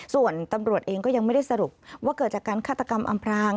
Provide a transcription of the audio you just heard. ส่วนตำรวจเองก็ยังไม่ได้สรุปว่าเกิดจากการฆาตกรรมอำพราง